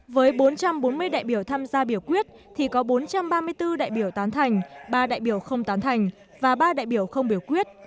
với bốn trăm bốn mươi đại biểu tham gia biểu quyết thì có bốn trăm ba mươi bốn đại biểu tán thành ba đại biểu không tán thành và ba đại biểu không biểu quyết